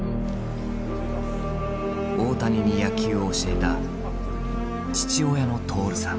大谷に野球を教えた父親の徹さん。